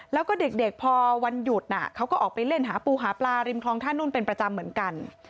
แล้วก็เด็กพอวันหยุดเขาก็ออกไปเล่นหาปูหาปลาริมคลองท่านุ่นเป็นประจำเหมือนกัน